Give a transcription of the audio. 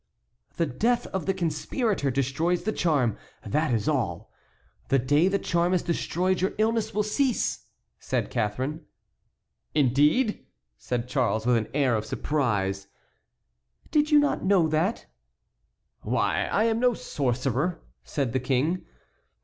"The death of the conspirator destroys the charm, that is all. The day the charm is destroyed your illness will cease," said Catharine. "Indeed!" said Charles, with an air of surprise. "Did you not know that?" "Why! I am no sorcerer," said the King.